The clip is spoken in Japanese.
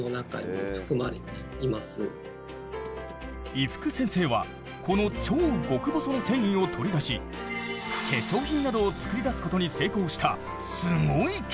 伊福先生はこの超極細の繊維を取り出し化粧品などを作り出すことに成功したすごい研究者。